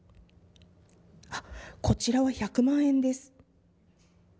こちらは１００万円です。